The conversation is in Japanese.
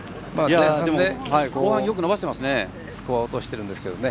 後半、よく伸ばしてますね。